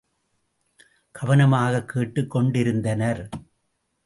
கவனமாகக் கேட்டுக் கொண்டிருந்தனர்.